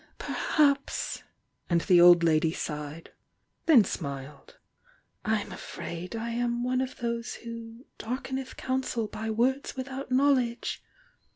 "Perhaps!" — and the old lady jighed — then smiled. "I'm afraid I am one of these who 'dark eneth counsel by words without knowledge!'